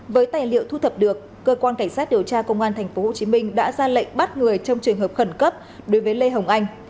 với tài liệu thu thập được cơ quan cảnh sát điều tra công an tp hcm đã ra lệnh bắt người trong trường hợp khẩn cấp đối với lê hồng anh